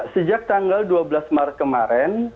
sejak tanggal dua belas maret kemarin